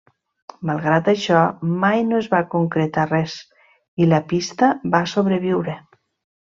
Malgrat això mai no es va concretar res i la pista va sobreviure.